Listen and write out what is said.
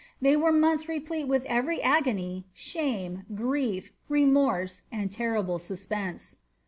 They were months replete with every agony, shame, giie^ remorse, and terrible suspense.